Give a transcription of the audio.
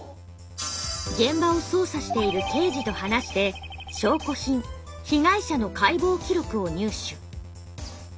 現場を捜査している刑事と話して証拠品被害者の「解剖記録」を入手。